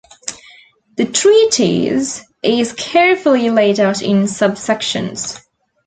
The treatise is carefully laid out in subsections.